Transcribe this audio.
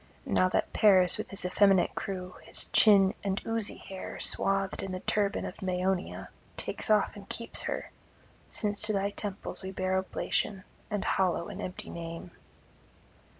And now that Paris, with his effeminate crew, his chin and oozy hair swathed in the turban of Maeonia, takes and keeps her; since to thy temples we bear oblation, and hallow an empty name.'